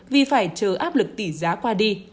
vì phải chờ áp lực tỷ giá qua đi